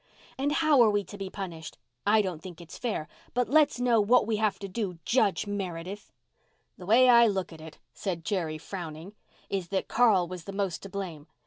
And how are we to be punished? I don't think it's fair, but let's know what we have to do, Judge Meredith!" "The way I look at it," said Jerry, frowning, "is that Carl was the most to blame.